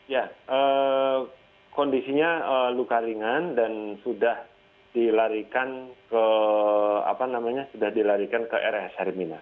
ya kondisinya luka ringan dan sudah dilarikan ke rs hermina